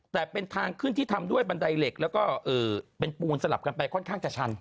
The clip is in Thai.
แต่เป็นทางขึ้นที่ทำด้วยบันไดเหล็กแล้วก็เป็นปูนสลับกันไปค่อนข้างจะชัน